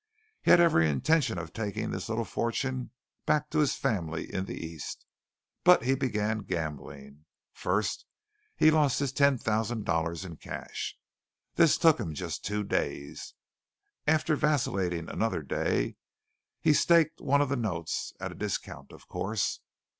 He had every intention of taking this little fortune back to his family in the East, but he began gambling. First, he lost his ten thousand dollars in cash. This took him just two days. After vacillating another day, he staked one of the notes, at a discount, of course.